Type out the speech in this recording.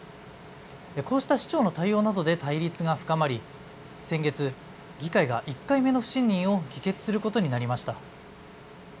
こうした市長の対応などで対立が深まり先月、議会が１回目の不信任を議決することになりました。